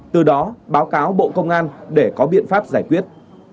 từ đó báo cáo bộ công an để có biện pháp giải quyết